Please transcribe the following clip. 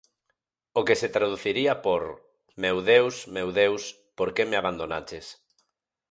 O que se traduciría por: Meu Deus, meu Deus, por que me abandonaches?